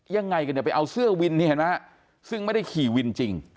ยังไงกันไปเอาเสื้อวินนี่ซึ่งไม่ได้ขี่วินจริง